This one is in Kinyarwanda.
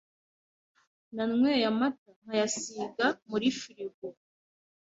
Nanyweye amata nkayasiga muri firigo.